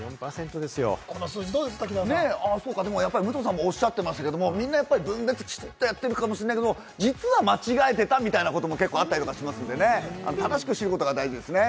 武藤さんもおっしゃっていましたが、みんなきちんと分別やってるかもしれないけど、実は間違えてたみたいなこともあったりしますのでね、正しく知ることが大事です。